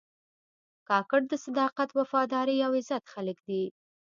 کاکړ د صداقت، وفادارۍ او عزت خلک دي.